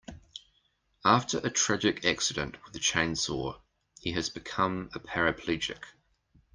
After a tragic accident with a chainsaw he has become a paraplegic.